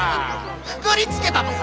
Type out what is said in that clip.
・くくりつけたとさ！